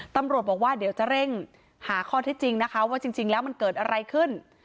ตำรวจบอกว่าเดี๋ยวจะเร่งหาข้อเท็จจริงนะคะว่าจริงแล้วมันเกิดอะไรขึ้น